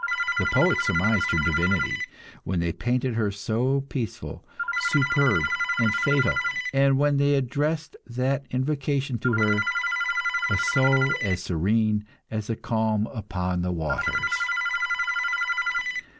The poets surmised her divinity when they painted her so peaceful, superb, and fatal, and when they addressed that invocation to her, 'A soul as serene as a calm upon the waters.